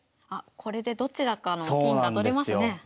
あっこれでどちらかの金が取れますね。